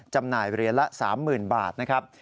จำหน่ายเหรียญละ๓๐๐๐บาทนะครับ